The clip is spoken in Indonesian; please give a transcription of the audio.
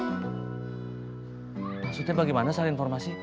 maksudnya bagaimana salah informasi